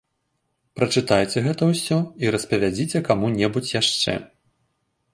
Прачытайце гэта ўсё і распавядзіце каму-небудзь яшчэ.